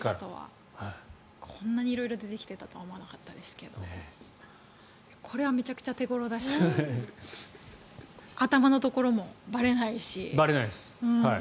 こんなに色々出てきていたとは思わなかったですけどこれはめちゃくちゃ手頃だし頭のところもばれないし。